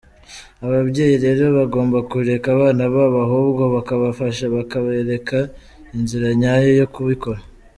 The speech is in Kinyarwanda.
Ababyeyi rero bagomba kureka abana babo, ahubwo bakabafasha bakabereka inzira nyayo yo kubikora.